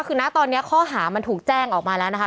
คือนะตอนนี้ข้อหามันถูกแจ้งออกมาแล้วนะคะ